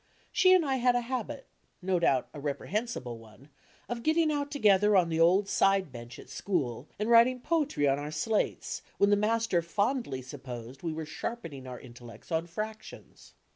She and I had a habit, no doubt, a reprehen sible one, of getting out together on the old side bench at school, and writing "po'try" on our slates, when the master fondly supposed we were sharpenitig our intellects on frac tions.